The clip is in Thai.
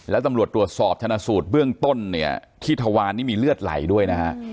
แล้วตำรวจตรวจสอบชนะสูตรเบื้องต้นเนี่ยที่ทวารนี่มีเลือดไหลด้วยนะฮะ